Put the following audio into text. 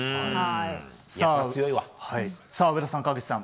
さあ上田さん、川口さん